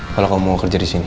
kalau kamu mau kerja disini